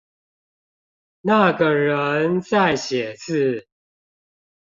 那個人在寫字